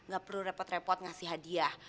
gak perlu repot repot ngasih hadiah